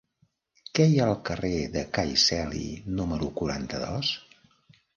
Què hi ha al carrer de Cai Celi número quaranta-dos?